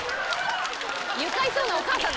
愉快そうなお母さん。